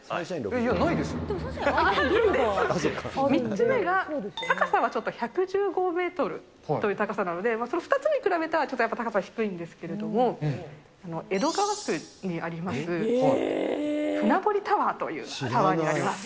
３つ目が、高さはちょっと１１５メートルという高さなので、その２つに比べたらちょっとやっぱ高さ低いんですけれども、江戸川区にあります、船堀タワーというタワーになります。